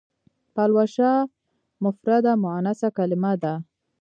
پلوشه مفرده مونثه کلمه ده.